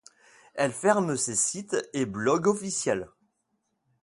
Elle ferme ses site et blog officiels.